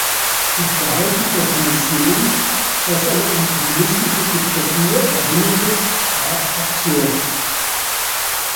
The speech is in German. Das Verhalten der Kommission, das an eine kommunistische Diktatur erinnerte, war absurd.